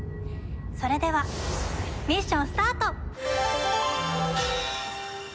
それではミッションスタート！